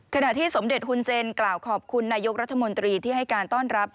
ขณะที่สมเด็จฮุนเซนกล่าวขอบคุณนายกรัฐมนตรีที่ให้การต้อนรับ